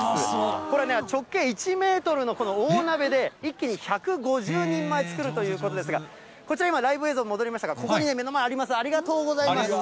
これね、直径１メートルの大鍋で、一気に１５０人前作るということですが、こちら今、ライブ映像に戻りましたが、ここに、目の前あります、ありがとうございます。